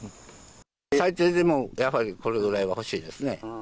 最低でもやっぱりこれぐらいは欲しいですね。